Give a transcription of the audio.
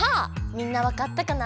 みんなわかったかな？